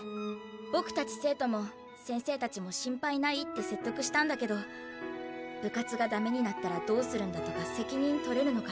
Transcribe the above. ボクたち生徒も先生たちも心配ないって説得したんだけど部活がダメになったらどうするんだとか責任取れるのかとか。